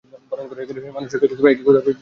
আমি বড় হয়ে গেলাম।